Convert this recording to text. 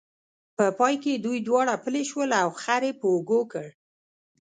په پای کې دوی دواړه پلي شول او خر یې په اوږو کړ.